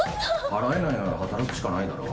払えないなら働くしかないだろ？